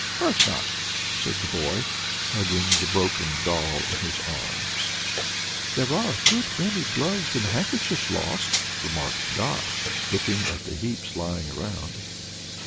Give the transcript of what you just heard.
"Course not," said the boy, hugging the broken doll in his arms. "There are a good many gloves and handkerchiefs lost," remarked Dot, looking at the heaps lying around.